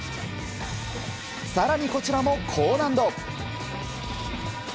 更にこちらも高難度。